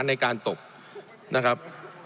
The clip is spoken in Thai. ในการตบนะครับ